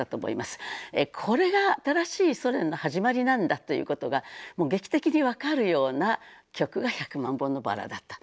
これが新しいソ連の始まりなんだということが劇的に分かるような曲が「百万本のバラ」だった。